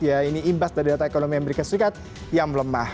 ya ini imbas dari data ekonomi amerika serikat yang melemah